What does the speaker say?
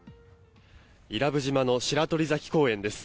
伊良部島の白鳥崎公園です。